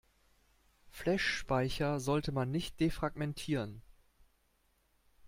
Flashspeicher sollte man nicht defragmentieren.